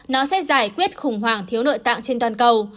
nó sẽ giải quyết khủng hoảng thiếu nội tạng trên toàn cầu